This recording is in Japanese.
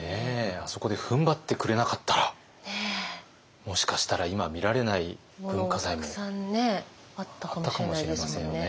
あそこでふんばってくれなかったらもしかしたら今見られない文化財もあったかもしれませんよね。